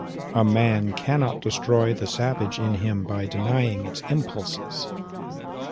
A man cannot destroy the savage in him by denying its impulses.